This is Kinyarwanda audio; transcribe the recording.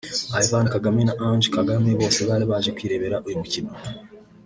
Ivan Kagame na Ange Kagame bose bari baje kwirebera uyu mukino